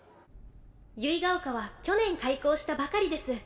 結ヶ丘は去年開校したばかりです。